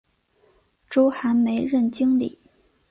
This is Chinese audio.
周寒梅任经理。